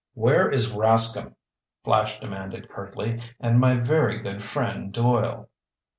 "Where is Rascomb?" Flash demanded curtly. "And my very good friend, Doyle?"